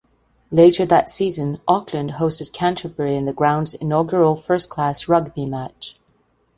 Later that season, Auckland hosted Canterbury in the ground's inaugural first-class rugby match.